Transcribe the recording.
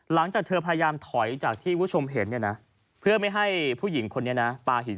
หลังจากเธอพยายามถอยจากที่ผู้ชมเห็นเพื่อไม่ให้ผู้หญิงคนนี้ป่าหิน